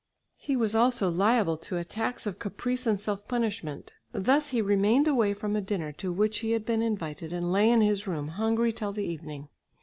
He was also liable to attacks of caprice and self punishment. Thus he remained away from a dinner to which he had been invited and lay in his room hungry till the evening.